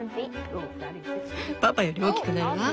パパより大きくなるわ。